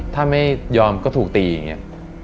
ถ้าไม่ยอมก็ถูกตีอย่างนี้